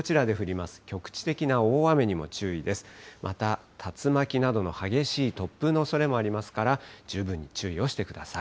また、竜巻などの激しい突風のおそれもありますから、十分注意をしてください。